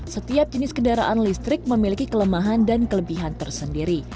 setiap jenis kendaraan listrik memiliki kelemahan dan kelebihan tersendiri